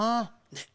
ねっ。